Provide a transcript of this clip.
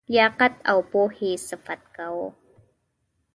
لیاقت او پوهي صفت کاوه.